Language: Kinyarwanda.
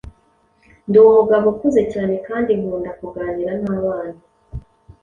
Ndi umugabo ukuze cyane kandi nkunda kuganira n’abana